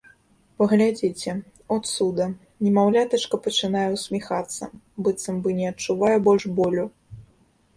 Паглядзіце — о цуда — немаўлятачка пачынае ўсміхацца, быццам бы не адчувае больш болю.